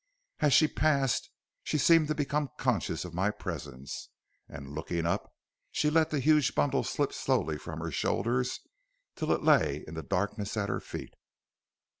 As she passed she seemed to become conscious of my presence, and, looking up, she let the huge bundle slip slowly from her shoulders till it lay in the darkness at her feet.